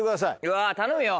うわ頼むよ。